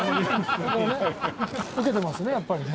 ウケてますねやっぱりね。